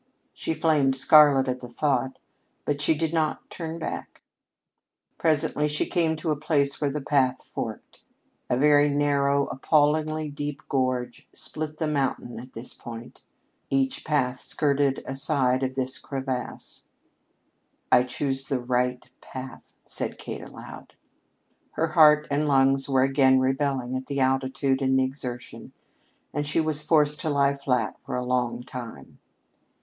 She flamed scarlet at the thought, but she did not turn back. Presently she came to a place where the path forked. A very narrow, appallingly deep gorge split the mountain at this point, each path skirting a side of this crevasse. "I choose the right path," said Kate aloud. Her heart and lungs were again rebelling at the altitude and the exertion, and she was forced to lie flat for a long time.